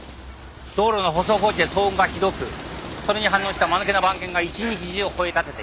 道路の舗装工事で騒音がひどくそれに反応した間抜けな番犬が一日中ほえたてている。